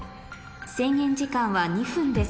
制限時間は２分です